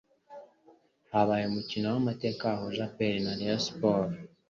habaye umukino w'amateka wahuje APR FC na Rayon Sports